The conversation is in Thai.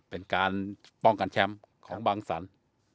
เป็นการป้องกันแชมป์ของบางสัน